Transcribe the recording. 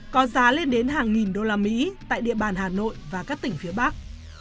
có giá lên đến hàng nghìn đô la mỹ tại địa bàn hà nội và các tỉnh phía bắc